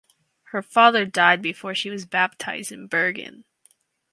Her father died before she was baptized in Bergen.